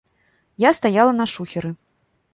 Я стаяла на шухеры.